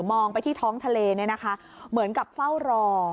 ไปที่ท้องทะเลเนี่ยนะคะเหมือนกับเฝ้ารอ